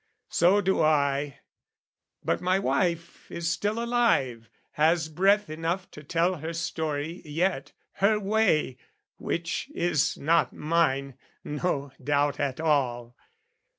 So do I. But my wife is still alive, Has breath enough to tell her story yet, Her way, which is not mine, no doubt at all.